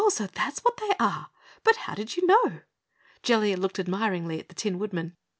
"So that's what they are! But how did you know?" Jellia looked admiringly at the Tin Woodman.